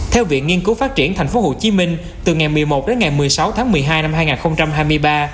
theo viện nghiên cứu phát triển tp hcm từ ngày một mươi một đến ngày một mươi sáu tháng một mươi hai năm hai nghìn hai mươi ba